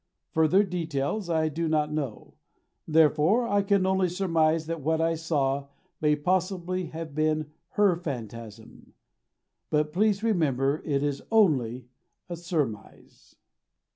Further details I do not know, therefore I can only surmise that what I saw may possibly have been HER phantasm but please remember, it is ONLY a surmise.